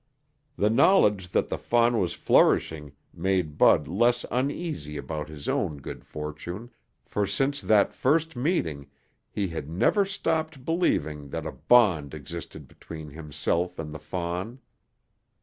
The knowledge that the fawn was flourishing made Bud less uneasy about his own good fortune, for since that first meeting, he had never stopped believing that a bond existed between himself and the fawn.